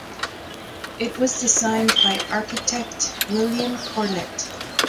It was designed by architect William Corlett.